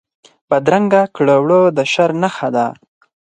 بدرنګه کړه وړه د شر نښه ده